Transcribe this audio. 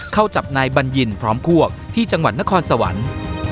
เข้าจับนายบัญญินพร้อมพวกที่จังหวัดนครสวรรค์